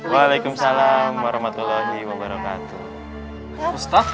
waalaikumsalam warahmatullahi wabarakatuh